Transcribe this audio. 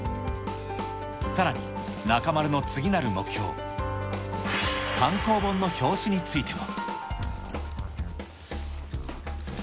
さらに中丸の次なる目標、単行本の表紙についても。